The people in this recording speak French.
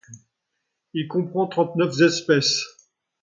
Il comprend trente-neuf espèces.